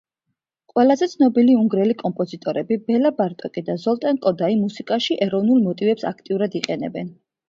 ყველაზე ცნობილი უნგრელი კომპოზიტორები ბელა ბარტოკი და ზოლტან კოდაი მუსიკაში ეროვნულ მოტივებს აქტიურად იყენებენ.